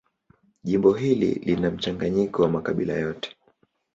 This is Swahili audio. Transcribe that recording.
Jimbo hili lina mchanganyiko wa makabila yote.